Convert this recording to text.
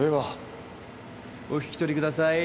お引き取りください。